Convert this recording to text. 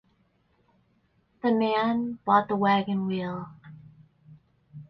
The man, bought the wagon wheel.